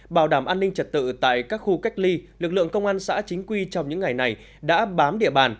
bảo đảm an ninh trật tự tại các khu cách ly lực lượng công an xã chính quy trong những ngày này đã bám địa bàn